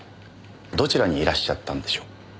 どちらにいらっしゃったんでしょう？